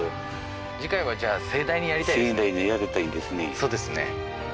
そうですね